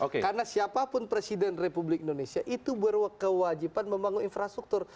karena siapapun presiden republik indonesia itu berwajiban membangun infrastruktur